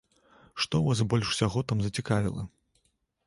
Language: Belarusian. Што вас больш усяго там зацікавіла?